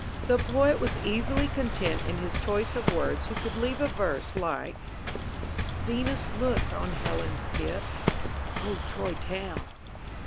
The poet was easily content in his choice of words who could leave a verse like: Venus looked on Helen's gift; _(O Troy Town!)